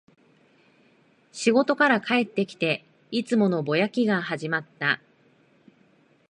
仕事から帰ってきて、いつものぼやきが始まった